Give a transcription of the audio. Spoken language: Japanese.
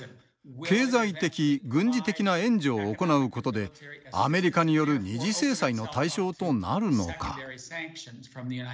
経済的・軍事的な援助を行うことでアメリカによる二次制裁の対象となるのか。